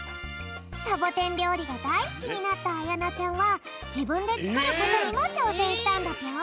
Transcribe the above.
サボテンりょうりがだいすきになったあやなちゃんはじぶんでつくることにもちょうせんしたんだぴょん。